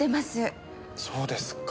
そうですか。